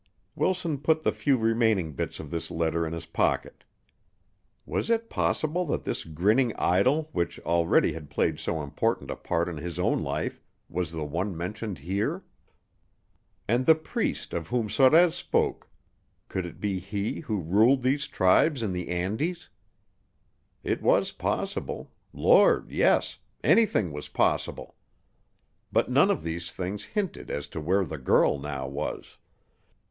Wilson put the few remaining bits of this letter in his pocket. Was it possible that this grinning idol which already had played so important a part in his own life was the one mentioned here? And the priest of whom Sorez spoke could it be he who ruled these tribes in the Andes? It was possible Lord, yes, anything was possible. But none of these things hinted as to where the girl now was.